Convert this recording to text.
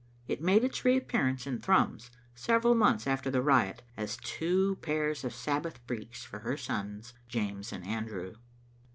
It made its reappear ance in Thrums, several months after the riot, as two pairs of Sabbath breeks for her sons, James and Andrew.